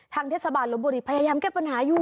เทศบาลลบบุรีพยายามแก้ปัญหาอยู่